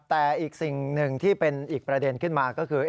แต่อีกสิ่งหนึ่งที่เป็นอีกประเด็นขึ้นมาก็คือ